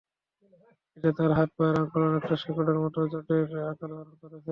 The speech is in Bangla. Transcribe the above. এতে তাঁর হাত-পায়ের আঙুল অনেকটা শিকড়ের মতো জটের আকার ধারণ করেছে।